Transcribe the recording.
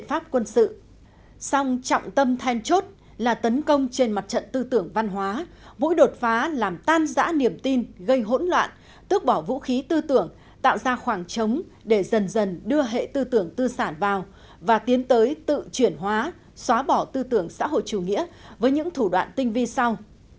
sau trọng tâm than chốt là tấn công trên mặt trận tư tưởng văn hóa mũi đột phá làm tan giã niềm tin gây hỗn loạn tước bỏ vũ khí tư tưởng tạo ra khoảng trống để dần dần đưa hệ tư tưởng tư sản vào và tiến tới tự chuyển hóa xóa bỏ tư tưởng xã hội chủ nghĩa với những thủ đoạn tinh vi sau